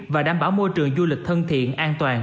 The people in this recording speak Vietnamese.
và đảm bảo môi trường du lịch thân thiện an toàn